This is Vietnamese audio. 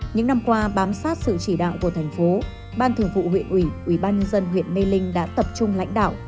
những năm qua bám sát sự chỉ đạo của thành phố ban thường vụ huyện ủy ủy ban nhân dân huyện mê linh đã tập trung lãnh đạo